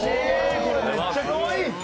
これめっちゃかわいいっすよ。